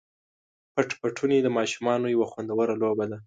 پټ پټوني د ماشومانو یوه خوندوره لوبه ده.